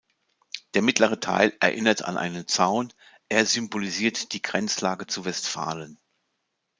Der mittlere Teil erinnert an einen Zaun; er symbolisiert die Grenzlage zu Westfalen.